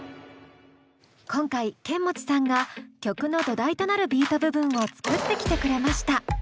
今回ケンモチさんが曲の土台となるビート部分を作ってきてくれました。